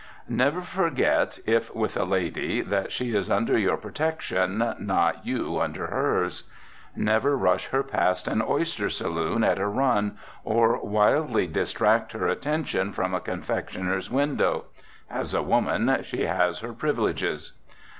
Never forget, if with a lady, that she is under your protection, not you under hers. Never rush her past an oyster saloon at a run, or wildly distract her attention from a confectioner's window. As a woman, she has her privileges.